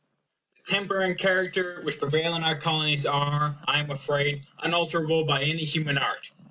The temper and character which prevail in our Colonies are, I am afraid, unalterable by any human art.